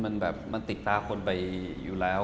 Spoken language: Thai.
มันติดตาคนไปอยู่แล้ว